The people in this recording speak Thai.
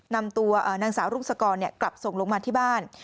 นำตัวนางสาวรุ่งสกรกลับส่งลงมาที่บ้าน